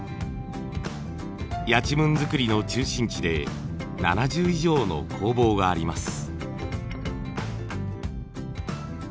やちむん作りの中心地で７０以上の工房があります。